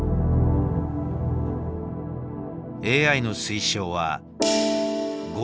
ＡＩの推奨は５七銀。